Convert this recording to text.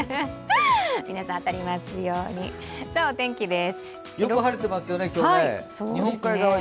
皆さん、当たりますように。